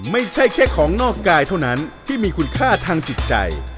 ไม่ใช่แค่ของนอกกายเท่านั้นที่มีคุณค่าทางจิตใจ